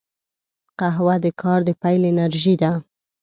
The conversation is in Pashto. قهوه د کار د پیل انرژي ده